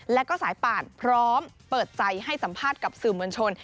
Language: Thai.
แล้วก็สายป่านพร้อมเปิดใจให้สัมภาษณ์กับสื่อมวลชน